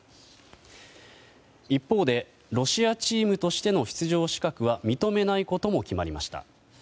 一方でロシアチームとしての出場資格は認めないことも決めました。